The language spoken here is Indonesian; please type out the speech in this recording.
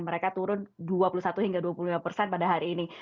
mereka turun dua puluh satu hingga dua puluh lima persen pada hari ini